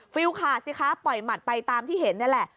ขาดสิคะปล่อยหมัดไปตามที่เห็นนี่แหละ